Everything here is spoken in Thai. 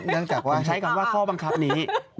เนื่องจากว่าใช้คำว่าข้อบังคับนี้